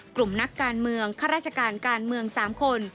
กลุ่มนักการเมืองข้าราชการการเมือง๓คน